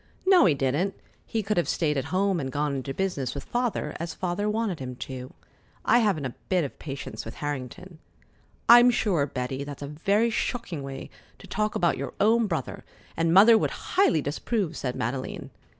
"No, he didn't. He could have stayed at home and gone into business with Father, as Father wanted him to. I haven't a bit of patience with Harrington." "I'm sure, Betty, that's a very shocking way to talk about your own brother, and Mother would highly disapprove!" said Madeleine.